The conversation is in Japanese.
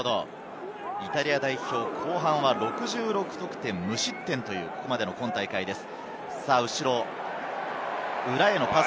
イタリア代表、後半は６６得点無失点という今大会です。